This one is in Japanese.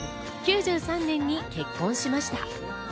９３年に結婚しました。